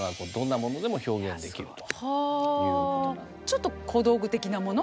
ちょっと小道具的なもの